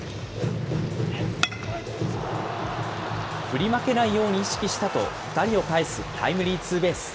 振り負けないように意識したと、２人をかえすタイムリーツーベース。